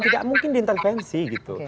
tidak mungkin diintervensi gitu